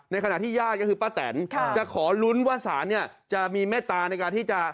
ในขณะที่ญาติดำก็คือป้าแตนค่ะจะขอลุ้นว่าสานี่จะมีแม่ตาในการที่จะ